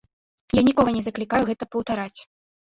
Я нікога не заклікаю гэта паўтараць.